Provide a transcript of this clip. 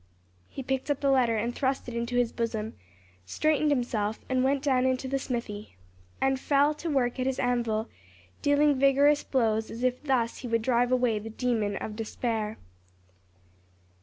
He picked up the letter and thrust it into his bosom, straightened himself, went down into the smithy, and fell to work at his anvil, dealing vigorous blows as if thus he would drive away the demon of despair.